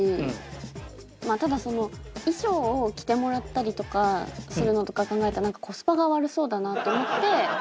ただその衣装を着てもらったりとかするのとかを考えたらなんかコスパが悪そうだなと思って。